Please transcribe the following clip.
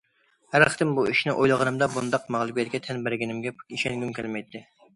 ھەر قېتىم بۇ ئىشنى ئويلىغىنىمدا، بۇنداق مەغلۇبىيەتكە تەن بەرگىنىمگە ئىشەنگۈم كەلمەيتتى.